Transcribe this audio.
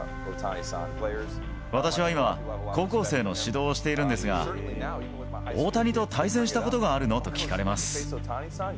私は今、高校生の指導をしているんですが、大谷と対戦したことがあるの？と聞かれます。